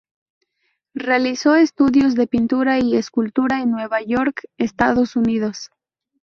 Realizó estudios de pintura y escultura en Nueva York, Estados Unidos.